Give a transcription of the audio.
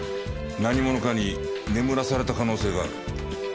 何者かに眠らされた可能性がある。